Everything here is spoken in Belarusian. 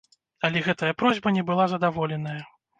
Але гэтая просьба не была задаволеная.